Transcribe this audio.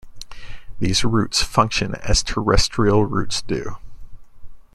These roots function as terrestrial roots do.